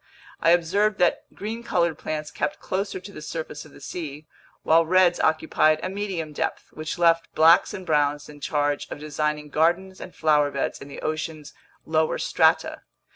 I observed that green colored plants kept closer to the surface of the sea, while reds occupied a medium depth, which left blacks and browns in charge of designing gardens and flowerbeds in the ocean's lower strata.